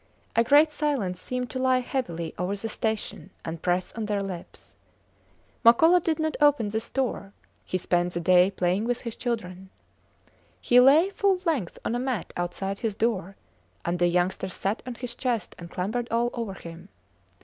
A great silence seemed to lie heavily over the station and press on their lips. Makola did not open the store; he spent the day playing with his children. He lay full length on a mat outside his door, and the youngsters sat on his chest and clambered all over him.